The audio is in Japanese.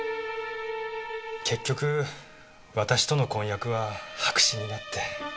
結局私との婚約は白紙になって。